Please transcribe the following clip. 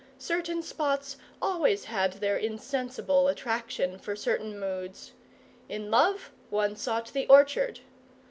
Certain spots always had their insensible attraction for certain moods. In love, one sought the orchard.